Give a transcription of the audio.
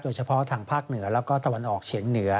โดยเฉพาะทางภาคเหนือแล้วก็ตะวันออกเฉียงเหนือ